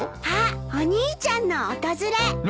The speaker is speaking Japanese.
あっお兄ちゃんの訪れ。